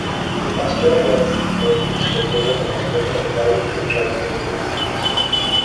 The Master, whilst in office, represents the Company on a variety of charitable committees.